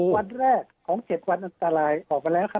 วันแรกของ๗วันอันตรายออกมาแล้วครับ